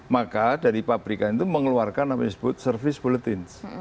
maka dari pabrikan itu mengeluarkan apa yang disebut service bulletins